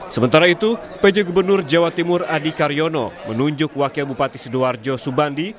sementara itu pj gubernur jawa timur adi karyono menunjuk wakil bupati sidoarjo subandi